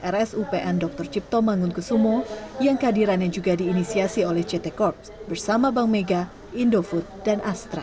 rsupn dr cipto mangunkusumo yang kehadirannya juga diinisiasi oleh ct corp bersama bank mega indofood dan astra